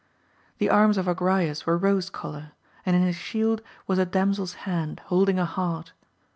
The arms of Agrayes were rose colour, and in his shield was a damsel's hand, holding a heart.